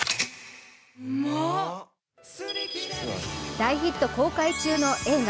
大ヒット公開中の映画